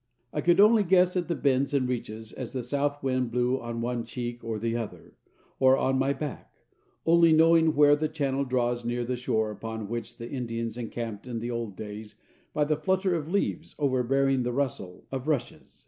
I could only guess at the bends and reaches as the south wind blew on one cheek or the other, or on my back, only knowing where the channel draws near the shore upon which the Indians encamped in the old days by the flutter of leaves overbearing the rustle of rushes.